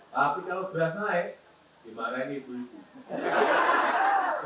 tapi kalau duas naik dimarai ke ibu ibu